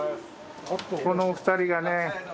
ここのお二人がね